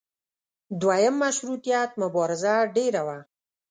دویم مشروطیت مبارزه ډېره وه.